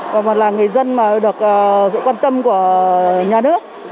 còn là người dân mà được sự quan tâm của nhà nước